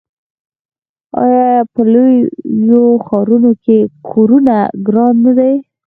آیا په لویو ښارونو کې کورونه ګران نه دي؟